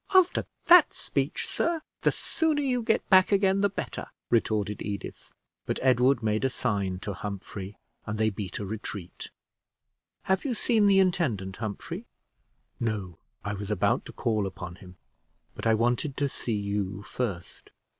"After that speech, sir, the sooner you get back again the better!" retorted Edith. But Edward made a sign to Humphrey, and they beat a retreat. "Have you seen the intendant, Humphrey?" "No; I was about to call upon him, but I wanted to see you first."